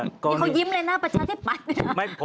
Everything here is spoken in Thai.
นี่เขายิ้มเลยนะประชาที่ปัด